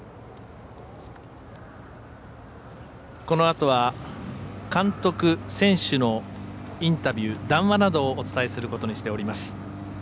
このあとは監督、選手のインタビュー談話などをお伝えすることにしております。